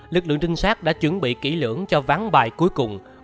lực lượng trinh sát đã chuẩn bị kỹ lưỡng cho ván bài cuối cùng